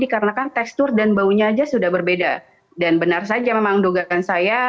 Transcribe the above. dikarenakan tekstur dan baunya saja sudah berbeda dan benar saja memang dogakan saya